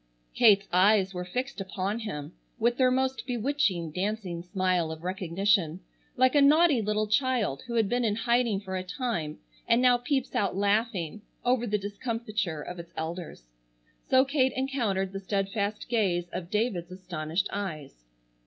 Kate's eyes were fixed upon him with their most bewitching, dancing smile of recognition, like a naughty little child who had been in hiding for a time and now peeps out laughing over the discomfiture of its elders. So Kate encountered the steadfast gaze of David's astonished eyes.